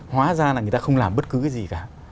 hóa ra là người ta không làm bất cứ cái gì cả